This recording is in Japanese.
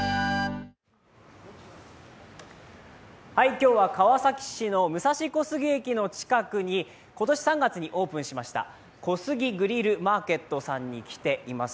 今日は川崎市の武蔵小杉駅の近くに今年３月にオープンしましたコスギグリルマーケットさんに来ています。